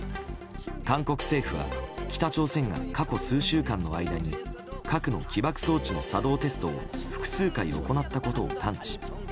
韓国政府は、北朝鮮が過去数週間の間に核の起爆装置の作動テストを複数回行ったことを探知。